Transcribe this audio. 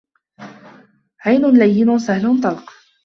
هَيِّنٍ لَيِّنٍ سَهْلٍ طَلْقٍ